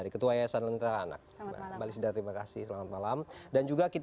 iya selamat malam mbak